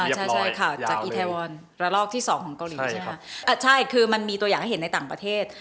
เรียบร้อยยาวเลยคือมันมีตัวอย่างเห็นในต่างประเทศ